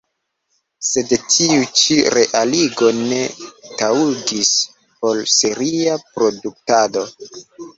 Sed tiu ĉi realigo ne taŭgis por seria produktado.